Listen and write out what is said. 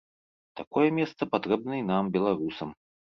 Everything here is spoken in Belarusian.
Такое месца патрэбна і нам, беларусам.